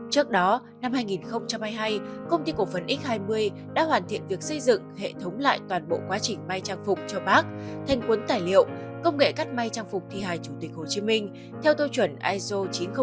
trước đó năm hai nghìn hai mươi hai công ty cổ phận x hai mươi đã hoàn thiện việc xây dựng hệ thống lại toàn bộ quá trình may trang phục cho bác thành cuốn tài liệu công nghệ cắt may trang phục thi hài chủ tịch hồ chí minh theo tâu chuẩn iso chín nghìn một hai nghìn một mươi năm